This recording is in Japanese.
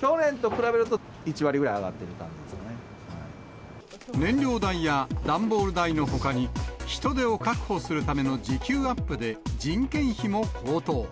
去年と比べると、燃料代や段ボール代のほかに、人手を確保するための時給アップで、人件費も高騰。